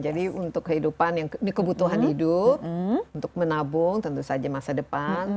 jadi untuk kehidupan yang kebutuhan hidup untuk menabung tentu saja masa depan